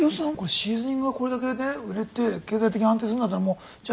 シーズニングがこれだけね売れて経済的に安定するんだったらじゃあ